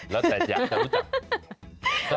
แล้วแต่อยากจะรู้จัก